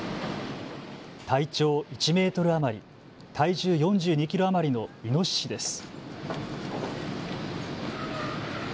体長１メートル余り、体重４２キロ余りのイノシシです。